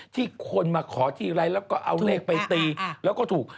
ที่คนมาขอทีไร้แล้วก็เอาเลขไปตีแล้วก็ถูก